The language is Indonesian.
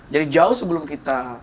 jadi jauh sebelum kita